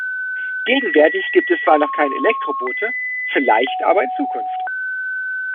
Gegenwärtig gibt es zwar noch keine Elektroboote, vielleicht aber in Zukunft.